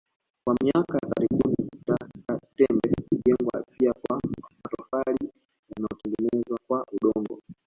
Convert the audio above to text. Kwa miaka ya karibuni kuta za tembe hujengwa pia kwa matofali yanayotengenezwa kwa udongo